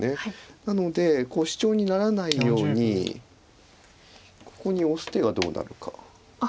なのでシチョウにならないようにここにオス手がどうなのか。